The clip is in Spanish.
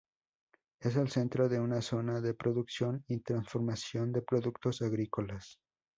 Es el centro de una zona de producción y transformación de productos agrícolas.